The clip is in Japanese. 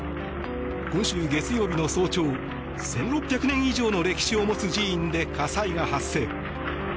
今週月曜日の早朝１６００年以上の歴史を持つ寺院で火災が発生。